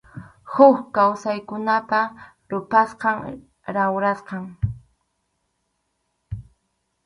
Huk kawsaykunapa ruphasqan, rawrasqan.